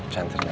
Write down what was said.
saya ntarin aja